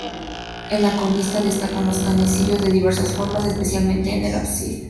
En la cornisa destacan los canecillos de diversas formas, especialmente en el ábside.